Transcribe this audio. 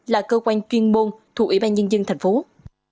là cơ quan chuyên môn thuộc ủy ban nhân dân tp hcm